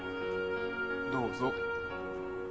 どうぞ。